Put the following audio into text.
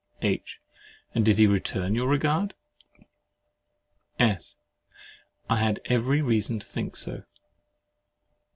H. And did he return your regard? S. I had every reason to think so.